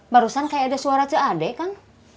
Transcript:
barusan kayak ada suara cak ade kan